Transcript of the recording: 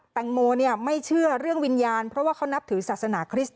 แตงโมไม่เชื่อเรื่องวิญญาณเพราะว่าเขานับถือศาสนาคริสต